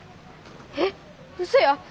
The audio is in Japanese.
えっうそや！